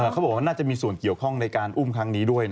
เขาบอกว่าน่าจะมีส่วนเกี่ยวข้องในการอุ้มครั้งนี้ด้วย